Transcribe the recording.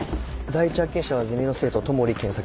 第一発見者はゼミの生徒戸守研策。